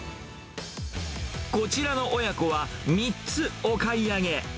こちらの親子は、３つお買い上げ。